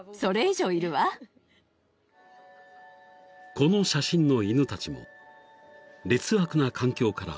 ［この写真の犬たちも劣悪な環境から保護された］